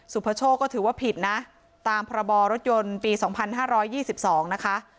พโชคก็ถือว่าผิดนะตามพรบรถยนต์ปี๒๕๒๒นะคะ